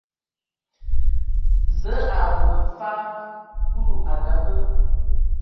Zǝǝ a bǝbǝ mfag Kulu a ngabǝ.